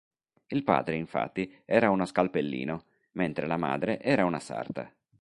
Il padre, infatti, era uno scalpellino, mentre la madre era una sarta.